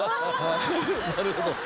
なるほど。